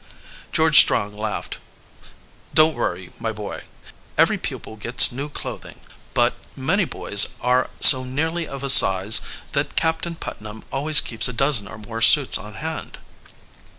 George Strong laughed. "Don't worry, my boy; every pupil gets new clothing. But, many boys are so nearly of a size that Captain Putnam always keeps a dozen or more suits on hand."